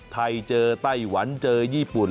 ไทยเจอไต้หวันเจอญี่ปุ่น